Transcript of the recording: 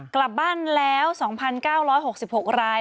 กลับบ้านแล้ว๒๙๖๖ราย